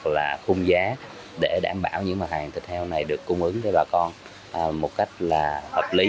là khung giá để đảm bảo những mặt hàng thịt heo này được cung ứng cho bà con một cách là hợp lý